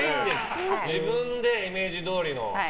自分でイメージどおりのを。